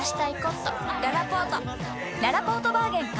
ららぽーとバーゲン開催！